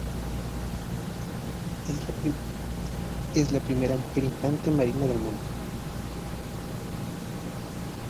Es la primera mujer Infante de Marina del mundo.